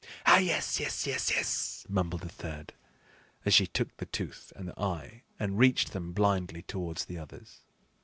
"Ah, yes, yes, yes, yes!" mumbled the third, as she took the tooth and the eye and reached them blindly towards the others.